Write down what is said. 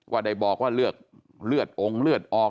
ว่าได้บอกเลือดองค์เลือดอก